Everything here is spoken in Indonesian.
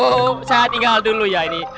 oh saya tinggal dulu ya ini